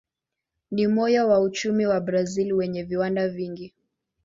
Ni moyo wa uchumi wa Brazil wenye viwanda vingi.